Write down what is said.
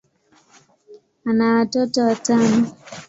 ana watoto watano.